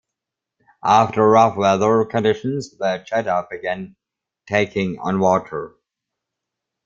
After rough weather conditions, the "Jeddah" began taking on water.